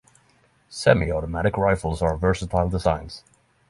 Semi-automatic rifles are versatile designs.